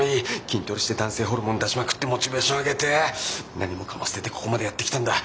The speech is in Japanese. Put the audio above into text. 筋トレして男性ホルモン出しまくってモチベーション上げて何もかも捨ててここまでやってきたんだ。